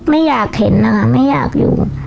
ไม่อยากเห็นนะคะไม่อยากอยู่